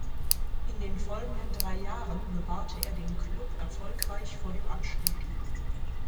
In den folgenden drei Jahren bewahrte er den Klub erfolgreich vor dem Abstieg.